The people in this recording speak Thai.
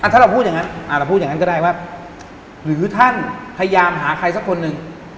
ถ้าเราพูดอย่างงั้นก็ได้ว่าหรือท่านพยายามหาใครสักคนหนึ่ง